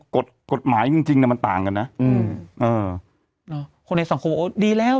กฎหมายจริงจริงเนี้ยมันต่างกันนะอืมเออเนอะคนในสังคมโอ้ดีแล้ว